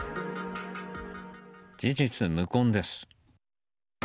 事実無根です。